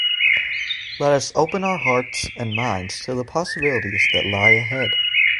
Let us open our hearts and minds to the possibilities that lie ahead.